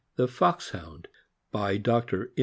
THE FOXHOUND. BY DR.